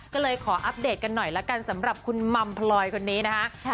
ก็เลยขออัปเดตกันหน่อยละกันสำหรับคุณมัมพลอยคนนี้นะคะ